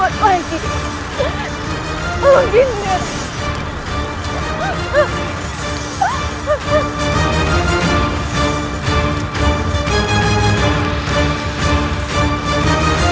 akan aku buat kalian mati